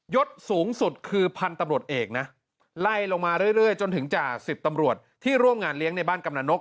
ศสูงสุดคือพันธุ์ตำรวจเอกนะไล่ลงมาเรื่อยจนถึงจ่าสิบตำรวจที่ร่วมงานเลี้ยงในบ้านกำลังนก